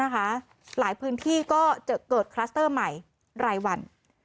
หลายพื้นที่ก็จะเกิดคลัสเตอร์ใหม่รายวัน